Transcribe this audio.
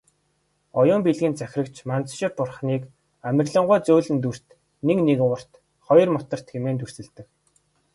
Оюун билгийг захирагч Манзушир бурхныг "амарлингуй зөөлөн дүрт, нэг нигуурт, хоёрт мутарт" хэмээн дүрсэлдэг.